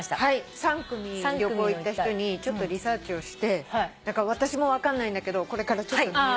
３組旅行行った人にちょっとリサーチをして私も分かんないんだけどこれからちょっと。